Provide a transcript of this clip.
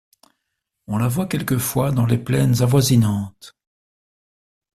On la voit quelquefois dans les plaines avoisinantes.